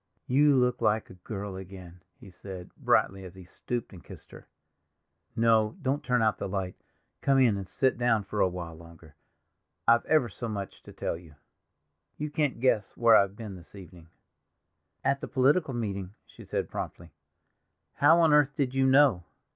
"You look like a girl again," he said brightly, as he stooped and kissed her. "No, don't turn out the light; come in and sit down a while longer, I've ever so much to tell you. You can't guess where I've been this evening." "At the political meeting," she said promptly. "How on earth did you know?"